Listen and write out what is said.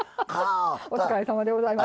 お疲れさまでございます。